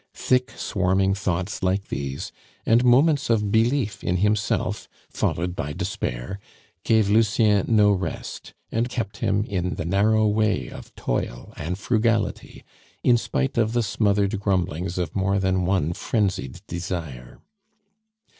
Thick swarming thoughts like these, and moments of belief in himself, followed by despair gave Lucien no rest, and kept him in the narrow way of toil and frugality, in spite of the smothered grumblings of more than one frenzied desire.